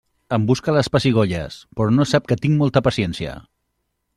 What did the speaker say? Em busca les pessigolles, però no sap que tinc molta paciència.